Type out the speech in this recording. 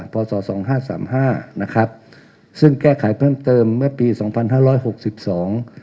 พศสองห้าสามห้านะครับซึ่งแก้ไขเพิ่มเติมเมื่อปีสองพันห้าร้อยหกสิบสอง